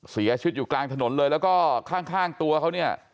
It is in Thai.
เสียชีวิตอยู่กลางถนนเลยแล้วก็ข้างตัวเขาเนี่ย